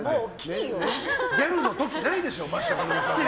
ギャルの時ないでしょ。